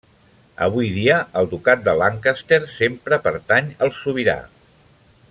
Avui dia el ducat de Lancaster sempre pertany al sobirà.